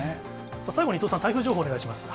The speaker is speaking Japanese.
最後に伊藤さん、台風情報をお願いします。